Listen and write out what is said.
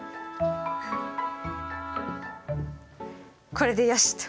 これでよしと。